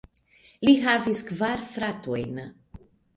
Li havis kvar fratojn.